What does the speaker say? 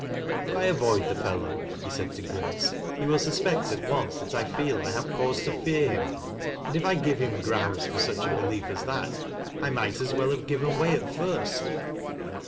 " If I avoid the fellow," he said to Grace, " he will suspect at once that I feel I have cause to fear him ; and if I give him grounds for such a belief as that I might as well have given way at first.